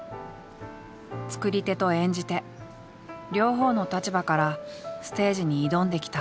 作り手と演じ手両方の立場からステージに挑んできた。